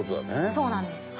そうなんですはい。